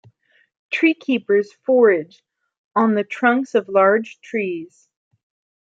Treecreepers forage on the trunks of large trees.